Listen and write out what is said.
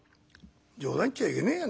「冗談言っちゃいけねえよ